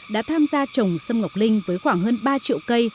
đã tham gia trồng sâm ngọc linh với khoảng hơn ba triệu cây